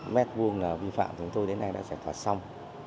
mét vuông là vi phạm chúng tôi đến nay đã giải thoát xong